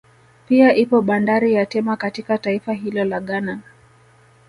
Pia ipo bandari ya Tema katika taifa hilo la Ghana